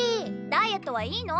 ダイエットはいいの？